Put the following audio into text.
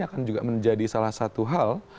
akan juga menjadi salah satu hal